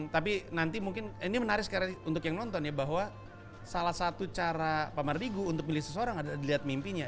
tapi nanti mungkin ini menarik sekali untuk yang nonton ya bahwa salah satu cara pak mardigu untuk milih seseorang adalah dilihat mimpinya